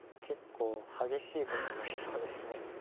結構激しいことになりそうです。